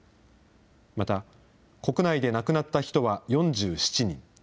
また、国内で亡くなった人は４７人。